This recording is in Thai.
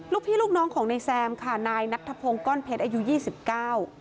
ลูกพี่ลูกน้องของนายแซมค่ะนายนัทธพงศ์ก้อนเพชรอายุยี่สิบเก้า